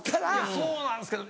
そうなんですけど。